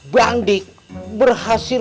bang dik berhasil